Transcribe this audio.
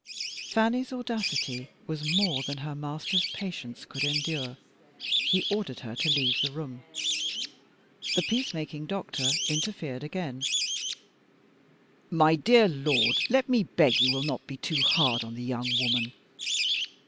Fanny's audacity was more than her master's patience could endure. He ordered her to leave the room. The peace making doctor interfered again: "My dear lord, let me beg you will not be too hard on the young woman."